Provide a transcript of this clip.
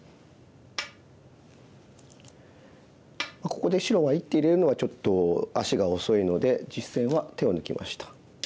ここで白が一手入れるのはちょっと足が遅いので実戦は手を抜きました。